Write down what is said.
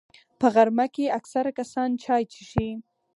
په غرمه کې اکثره کسان چای څښي